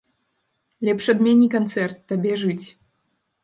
Лепш адмяні канцэрт, табе жыць.